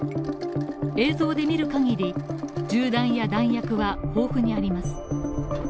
映像で見る限り、銃弾や弾薬は豊富にあります。